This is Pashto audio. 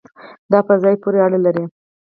دا په ځای پورې اړه لري